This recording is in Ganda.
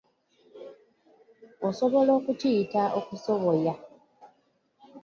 Osobola okukiyita okusoboya.